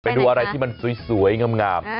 ไปดูอะไรที่มันสวยงาม